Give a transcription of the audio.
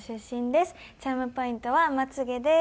チャームポイントはまつ毛です。